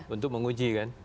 untuk menguji kan